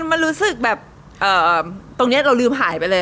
มันรู้สึกแบบตรงนี้เราลืมหายไปเลย